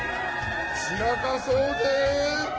ちらかそうぜ！